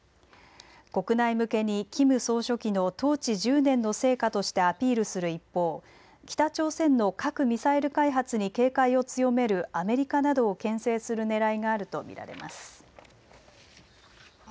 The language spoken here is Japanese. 国内向けにキム総書記の統治１０年の成果としてアピールする一方、北朝鮮の核・ミサイル開発に警戒を強めるアメリカなどをけん制する狙いがあると見られます。